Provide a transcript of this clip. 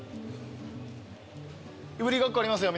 いぶりがっこありますよ